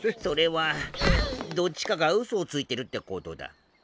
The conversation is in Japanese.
それはどっちかがウソをついてるってことだ。